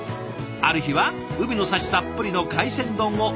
ある日は海の幸たっぷりの海鮮丼を。